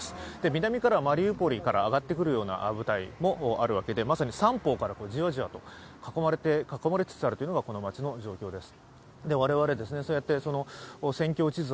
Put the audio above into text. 南からはマリウポリから上がってくる部隊もあるわけでまさに三方からじわじわと囲まれつつあるというのがこの街の状況です。